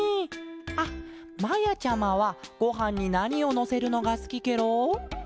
あっまやちゃまはごはんになにをのせるのがすきケロ？